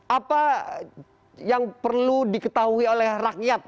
apa yang perlu diketahui oleh rakyat